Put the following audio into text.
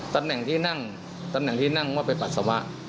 ตำแหน่งที่นั่งตำแหน่งที่นั่งว่าไปปัสสาวะ